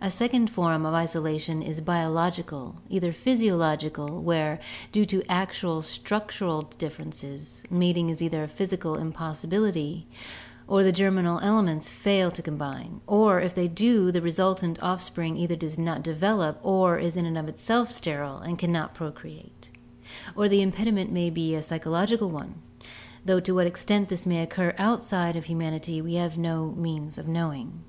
A second form of isolation is biological, either physio logical, where, due to actual structural differences, mating is either a physical impossibility or the germinal elements fail to combine, or if they do the resultant offspring either does not de velop or is in itself sterile and cannot procreate; or the impediment may be a psychological one, though to what extent this may occur outside of humanity we have no means of knowing.